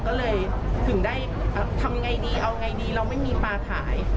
ก็เลยถึงได้ทำอย่างไรดีเอาอย่างไรดีเราไม่มีปลาขาย